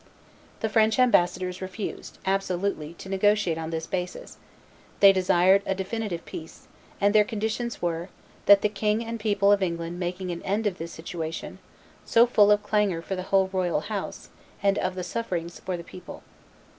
The French ambassadors refused, absolutely, to negotiate on this basis; they desired a definitive peace; and their conditions were, that the King and people of England making an end of this situation, so full of clanger for the whole royal house, and of suffering for the people.